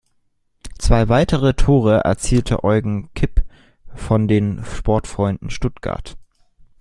Die zwei weiteren Tore erzielte Eugen Kipp von den Sportfreunden Stuttgart.